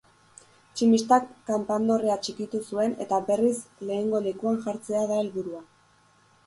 Tximistak kanpandorrea txikitu zuen eta berriz lehengo lekuan jartzea da helburua.